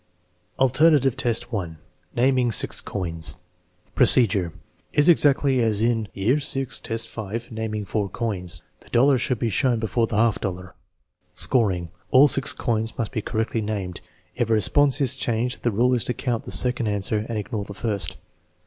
Yin, Alternative test 1 : naming six coins Procedure is exactly as in VI, 5 (naming four coins). The dollar should be shown before the half dollar. Scoring, All six coins must be correctly named. If a re sponse is changed the rule is to count the second answer and ignore the first.